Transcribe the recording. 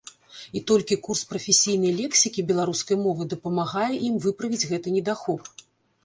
І толькі курс прафесійнай лексікі беларускай мовы дапамагае ім выправіць гэты недахоп.